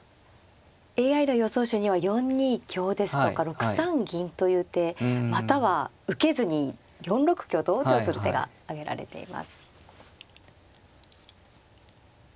ＡＩの予想手には４二香ですとか６三銀という手または受けずに４六香と王手をする手が挙げられています。